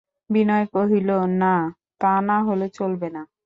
বিনয় কহিল, না, তা না হলে চলবে না।